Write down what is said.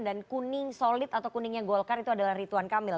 dan kuning solid atau kuningnya golkar itu adalah rituan kamil